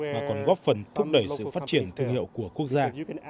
mà còn góp phần thúc đẩy sự phát triển thương hiệu của quốc gia